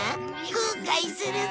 後悔するぞ！